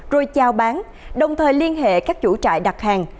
rồi trao bán đồng thời liên hệ các chủ trại đặt hàng